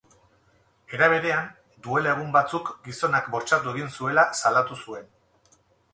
Era berean, duela egun batzuk gizonak bortxatu egin zuela salatu zuen.